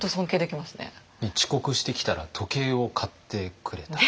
遅刻してきたら時計を買ってくれた。